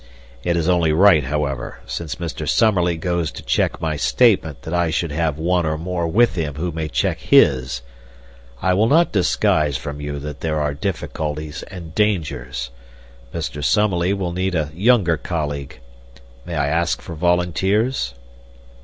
It is only right, however, since Mr. Summerlee goes to check my statement that I should have one or more with him who may check his. I will not disguise from you that there are difficulties and dangers. Mr. Summerlee will need a younger colleague. May I ask for volunteers?"